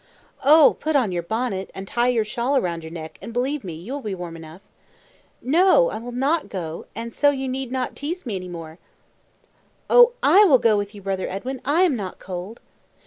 "Oh! put on your bonnet, and tie your shawl round your neck, and, believe me, you will be warm enough." "No, I will not go, and so you need not teaze me any more." "O! I will go with you, brother Edwin; I am not cold."